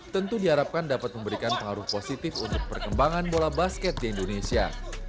tentu diharapkan dapat memberikan pengaruh positif untuk perkembangan bola basket di indonesia